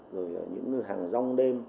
rồi những hàng rong đêm